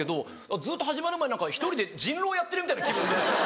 ずっと始まる前１人で人狼やってるみたいな気分で。